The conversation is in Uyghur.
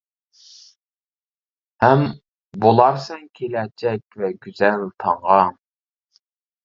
ھەم بولارسەن كېلەچەك ۋە گۈزەل تاڭغا!